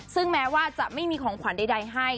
ซึ่งแม้ว่าจะไม่มีของขวัญใดให้